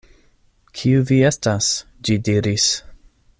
"Kiu vi estas?" ĝi diris.